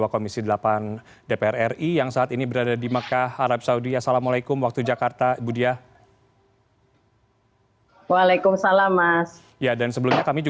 assalamualaikum wr wb